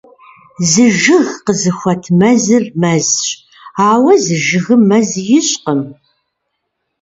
Зы жыг къызыхуэт мэзыр — мэзщ. Ауэ зы жыгым мэз ищӀкъым.